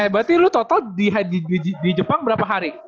eh eh berarti lu total di jepang berapa hari